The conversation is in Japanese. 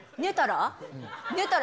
寝たら？